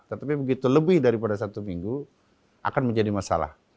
tetapi begitu lebih daripada satu minggu akan menjadi masalah